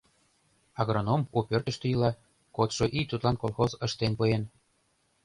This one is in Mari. Агроном у пӧртыштӧ ила, кодшо ий тудлан колхоз ыштен пуэн.